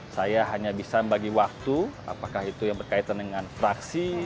saya hanya bisa membagi waktu apakah itu yang berkaitan dengan fraksi